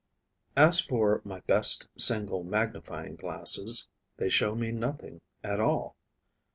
As for my best single magnifying glasses, they show me nothing at all.